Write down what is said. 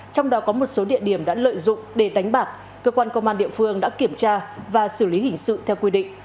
trong đó có một số địa điểm đã lợi dụng để đánh bạc cơ quan công an địa phương đã kiểm tra và xử lý hình sự theo quy định